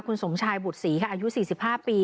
คุณสมชายบุษีอายุ๔๕ปี